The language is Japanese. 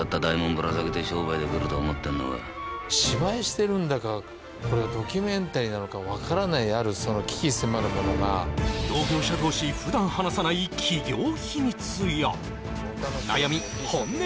ぶら下げて商売できると思ってんのか芝居してるんだかこれはドキュメンタリーなのか分からないあるその鬼気迫るものが同業者同士普段話さない企業秘密や指